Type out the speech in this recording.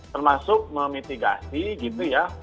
termasuk memitigasi gitu ya